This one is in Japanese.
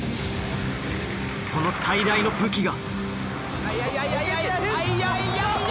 その最大の武器が。